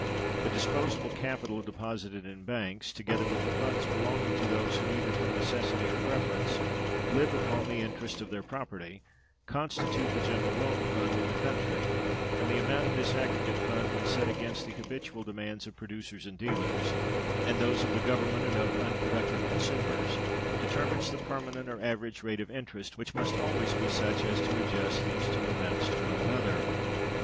The disposable capital deposited in banks, together with the funds belonging to those who, either from necessity or preference, live upon the interest of their property, constitute the general loan fund of the country; and the amount of this aggregate fund, when set against the habitual demands of producers and dealers, and those of the Government and of unproductive consumers, determines the permanent or average rate of interest, which must always be such as to adjust these two amounts to one another.